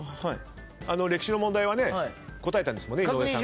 歴史の問題はね答えたんですもんね。